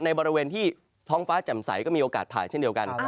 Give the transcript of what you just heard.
บริเวณที่ท้องฟ้าแจ่มใสก็มีโอกาสผ่ายเช่นเดียวกัน